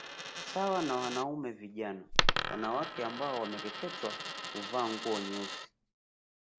Sawa na wanaume vijana wanawake ambao wamekeketewa huvaa nguo nyeusi